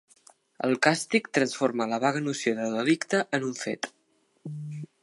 El càstig transforma la vaga noció de delicte en un fet.